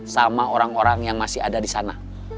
sama orang orang yang masih ada di sana